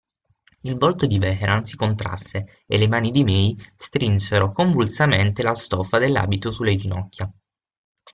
Il volto di Vehrehan si contrasse e le mani di May strinsero convulsamente la stoffa dell'abito sulle ginocchia.